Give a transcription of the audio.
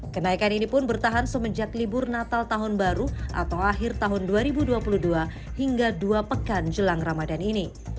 kenaikan ini pun bertahan semenjak libur natal tahun baru atau akhir tahun dua ribu dua puluh dua hingga dua pekan jelang ramadan ini